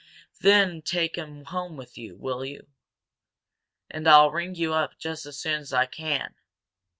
Then take him home with you, will you? And I'll ring you up just as soon as I can.